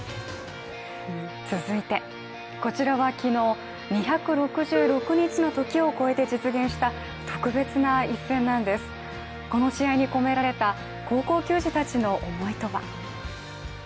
続いてこちらは昨日２６６日のときを超えて実現した特別な一戦なんです、この試合に込められた高校球児たちの思いとは。